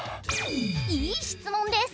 いい質問です！